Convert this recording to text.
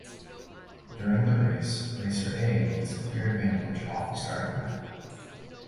During the race, Racer A gets a clear advantage off the starting line.